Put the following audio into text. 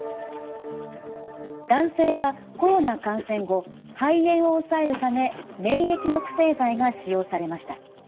男性はコロナ感染後肺炎を抑えるため免疫抑制剤が使用されました。